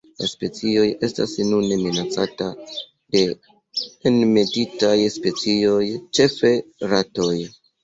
La specio estas nune minacata de enmetitaj specioj, ĉefe ratoj.